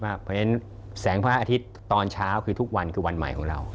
เพราะฉะนั้นแสงพระอาทิตย์ตอนเช้าคือทุกวันคือวันใหม่ของเรา